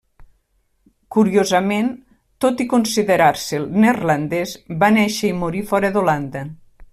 Curiosament, tot i considerar-se'l neerlandès, va néixer i morí fora d'Holanda.